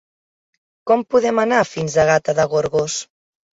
Com podem anar fins a Gata de Gorgos?